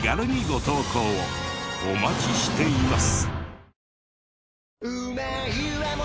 お待ちしています。